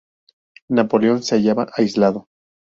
Napoleón se hallaba aislado.